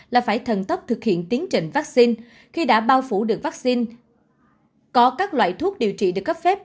là phải thần tốc thực hiện tiến trình vaccine khi đã bao phủ được vaccine có các loại thuốc điều trị được cấp phép